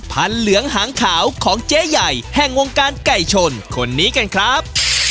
เหลืองหางขาวของเจ๊ใหญ่แห่งวงการไก่ชนคนนี้กันครับ